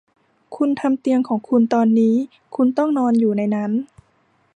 คุณทำเตียงของคุณตอนนี้คุณต้องนอนอยู่ในนั้น